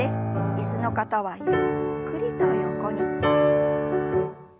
椅子の方はゆっくりと横に。